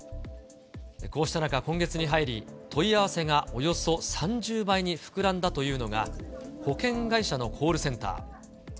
こうした中、今月に入り問い合わせがおよそ３０倍に膨らんだというのが、保険会社のコールセンター。